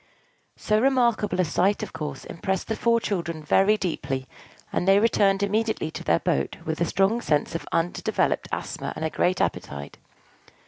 So remarkable a sight, of course, impressed the four children very deeply; and they returned immediately to their boat with a strong sense of undeveloped asthma and a great appetite.